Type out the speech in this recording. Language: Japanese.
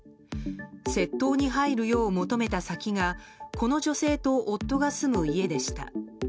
窃盗に入るよう求めた先がこの女性と夫が住む家でした。